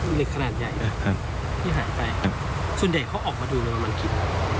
เหล็กขนาดใหญ่ที่หายไปส่วนใหญ่เขาออกมาดูในประมาณคิด